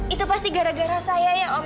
itu pasti gara gara saya ya om